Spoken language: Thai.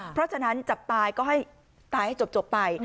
เพราะฉะนั้นจับตายก็ให้ตายให้จบไป